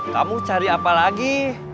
kamu cari apa lagi